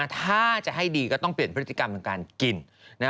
ถ้าจะให้ดีก็ต้องเปลี่ยนพฤติกรรมทางการกิน